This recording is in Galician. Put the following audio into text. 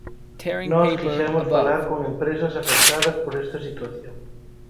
Nós quixemos falar con empresas afectadas por esta situación.